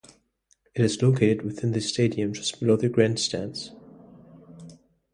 It is located within the stadium, just below the grandstands.